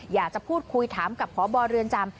อยากจะพูดคุยถามกับพบเรือนจำ